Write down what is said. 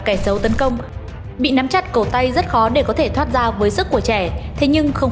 kẻ xấu tấn công bị nắm chắc cổ tay rất khó để có thể thoát ra với sức của trẻ thế nhưng không